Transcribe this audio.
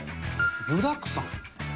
具だくさん。